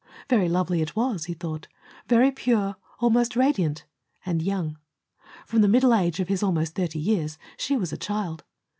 Very lovely it was, he thought. Very pure, almost radiant and young. From the middle age of his almost thirty years, she was a child.